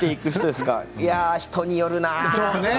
いやあ、によるなあ。